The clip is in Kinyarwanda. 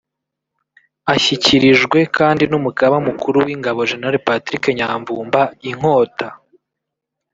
Ashyikirijwe kandi n’umugaba mukuru w’ingabo Gen Patrick Nyamvumba Inkota